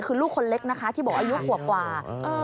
คือลูกคนเล็กนะคะที่บอกอายุขวบกว่า